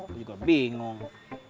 gue juga bingung